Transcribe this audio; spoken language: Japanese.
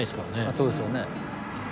あっそうですよね。